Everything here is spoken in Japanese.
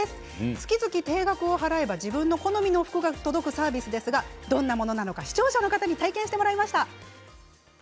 月々定額を払えば自分の好みの服が届くサービスですがどんなものなのか視聴者の方に体験してもらいました。